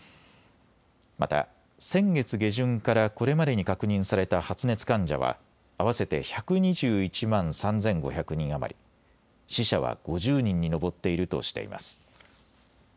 また先月下旬からこれまでに確認された発熱患者は合わせて１２１万３５００人余り、死者は５０人に上っているとしています。